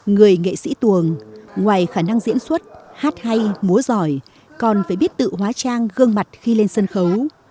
người nghệ sĩ tuồng ngoài khả năng diễn xuất hát hay múa giỏi còn phải biết tự hóa trang gương mặt khi lên sân khấu